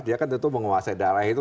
dia kan tentu menguasai darah itu